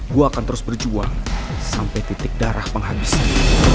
gue akan terus berjuang sampai titik darah penghabisan